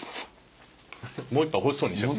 もう一杯欲しそうにしてる。